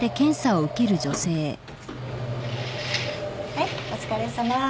はいお疲れさま。